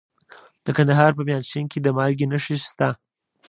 د کندهار په میانشین کې د مالګې نښې شته.